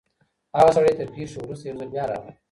هغه سړی تر پېښي وروسته یو ځل بیا راغلی.